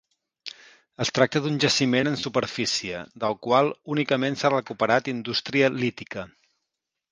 Es tracta d'un jaciment en superfície, del qual únicament s'ha recuperat indústria lítica.